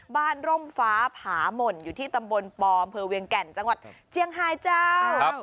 ร่มฟ้าผาหม่นอยู่ที่ตำบลปอำเภอเวียงแก่นจังหวัดเจียงไฮเจ้า